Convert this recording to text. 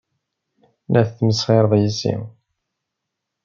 La tesmesxired yes-i.